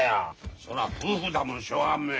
そら夫婦だもんしょうがあんめえ。